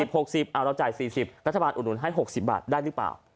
เราจ่าย๔๐รัฐบาลอุดหนุนให้๖๐บาทได้หรือเปล่า